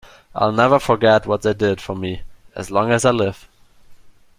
I'll never forget what they did for me, as long as I live.